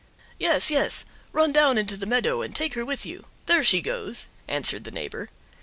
"Yes, yes! Run down into the meadow and take her with you. There she goes!" answered the neighbor.